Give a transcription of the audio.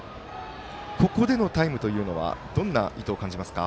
ここでのタイムはどんな意図を感じますか？